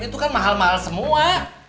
itu kan mahal mahal semua